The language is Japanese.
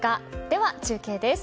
では中継です。